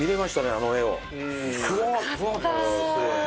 あの絵を。